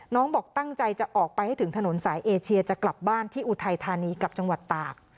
บอกตั้งใจจะออกไปให้ถึงถนนสายเอเชียจะกลับบ้านที่อุทัยธานีกับจังหวัดตาก